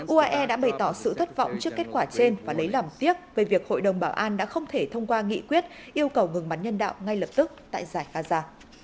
uae đã bày tỏ sự thất vọng trước kết quả trên và lấy làm tiếc về việc hội đồng bảo an đã không thể thông qua nghị quyết yêu cầu ngừng bắn nhân đạo ngay lập tức tại giải gaza